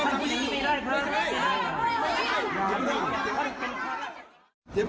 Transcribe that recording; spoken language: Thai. ไม่ใช่